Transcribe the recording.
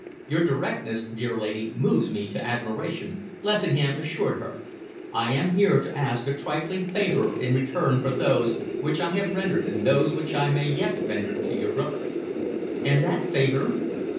"Your directness, dear lady, moves me to admiration," Lessingham assured her. "I am here to ask a trifling favour in return for those which I have rendered and those which I may yet render to your brother." "And that favour?"